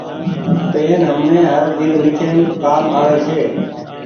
پين همني هر چيز ليکيم ڪآم آوي ڇي۔